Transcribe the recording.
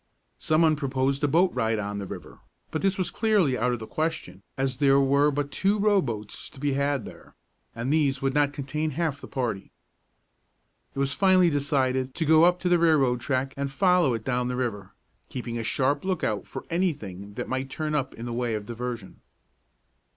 Some one proposed a boat ride on the river; but this was clearly out of the question, as there were but two row boats to be had there, and these would not contain half of the party. It was finally decided to go up to the railroad track and follow it down the river, keeping a sharp lookout for anything that might turn up in the way of diversion.